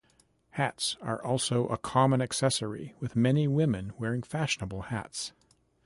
Hats are also a common accessory, with many women wearing fashionable hats.